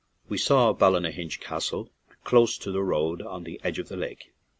We saw Ballynahinch Castle, close to the road on the edge of the lake.